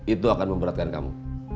itu akan memberatkan kamu